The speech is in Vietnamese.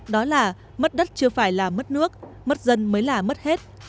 đó là mất đất chưa phải là mất nước mất dân mới là mất hết